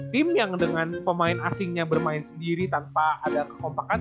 tim yang dengan pemain asingnya bermain sendiri tanpa ada kekompakan